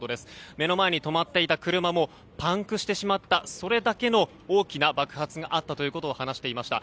目の前に止まっていた車もパンクしてしまったそれだけの大きな爆発があったと話していました。